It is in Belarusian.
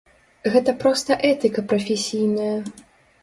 Гэта проста этыка прафесійная.